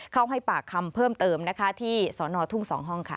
ให้ปากคำเพิ่มเติมนะคะที่สอนอทุ่ง๒ห้องค่ะ